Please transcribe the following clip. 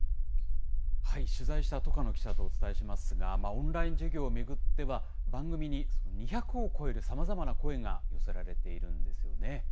取材した戸叶記者とお伝えしますが、オンライン授業を巡っては、番組に２００を超えるさまざまな声が寄せられているんですよね。